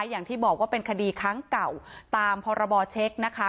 อย่างที่บอกว่าเป็นคดีครั้งเก่าตามพรบเช็คนะคะ